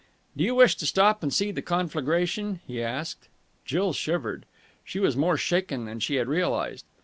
"Do you wish to stop and see the conflagration?" he asked. Jill shivered. She was more shaken than she had realized.